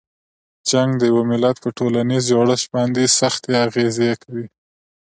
جنګ د یوه ملت په ټولنیز جوړښت باندې سختې اغیزې کوي.